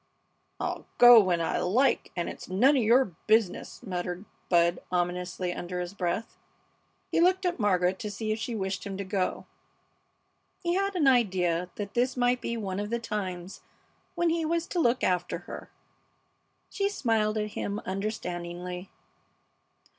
"I'll go when I like, and it's none of your business!" muttered Bud, ominously, under his breath. He looked at Margaret to see if she wished him to go. He had an idea that this might be one of the times when he was to look after her. She smiled at him understandingly.